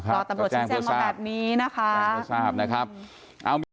ก็แจ้งโทรศาสตร์แจ้งโทรศาสตร์นะครับรอตำรวจชื่อแจ้งมาแบบนี้นะคะแจ้งโทรศาสตร์